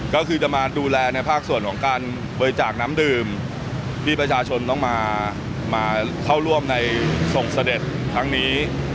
ก็คือจะมาดูแลในภาคส่วนของการบริจาคน้ำดื่มที่ประชาชนต้องมาเข้าร่วมในส่งเสด็จครั้งนี้